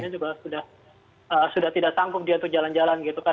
jadi pasiennya juga sudah tidak tanggung jalan jalan gitu